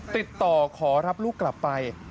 ติดต่อขอรับลูกกลับไป